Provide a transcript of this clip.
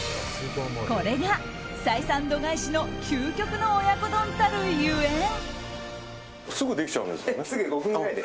これが採算度外視の究極の親子丼たるゆえん。